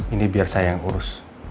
ini biar saya yang urus